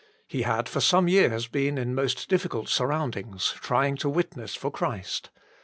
He had for some years been in most difficult surroundings, trying to witness for Christ.